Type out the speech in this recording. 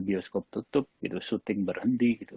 bioskop tutup shooting berhenti gitu